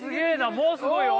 もうすごい！